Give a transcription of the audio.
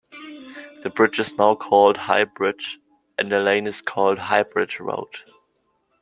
The bridge is now called High Bridge, and the lane is called Highbridge Road.